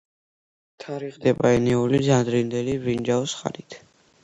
თარიღდება ენეოლით-ადრინდელი ბრინჯაოს ხანით.